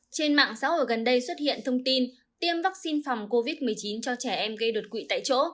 trên mạng xã hội gần đây xuất hiện thông tin tiêm vaccine phòng covid một mươi chín cho trẻ em gây đột quỵ tại chỗ